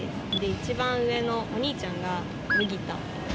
一番上のお兄ちゃんが麦太。